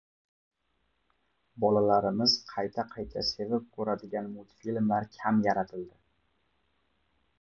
– bolalarimiz qayta-qayta sevib ko‘radigan multfilmlar kam yaratildi.